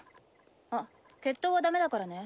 あっ決闘はダメだからね。